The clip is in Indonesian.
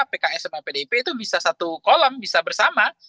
pks sama pdip itu bisa satu kolam bisa bersama